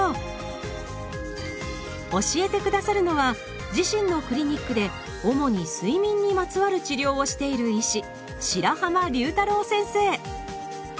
教えて下さるのは自身のクリニックで主に睡眠にまつわる治療をしている医師